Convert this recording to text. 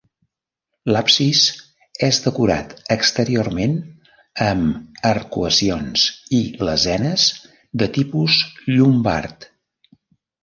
L'absis és decorat exteriorment amb arcuacions i lesenes de tipus llombard.